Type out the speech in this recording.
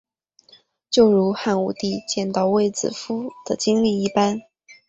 就如汉武帝见到卫子夫的经历一般。